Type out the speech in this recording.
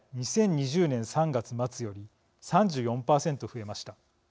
２０２０年３月末より３４％増えました。